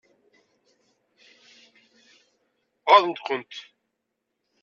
Ɣaḍent-kent?